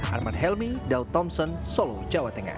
arman helmi daud thompson solo jawa tengah